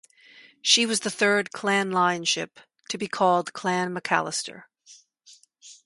She was the third Clan Line ship to be called "Clan Macalister".